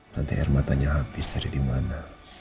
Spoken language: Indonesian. nanti air matanya habis cari di mana